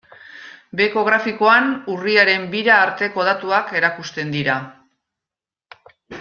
Beheko grafikoan urriaren bira arteko datuak erakusten dira.